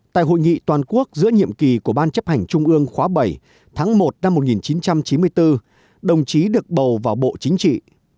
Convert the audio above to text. tại hội nghị toàn quốc giữa nhiệm kỳ của ban chấp hành trung ương khóa bảy tháng một năm một nghìn chín trăm chín mươi bốn đồng chí được bầu vào bộ chính trị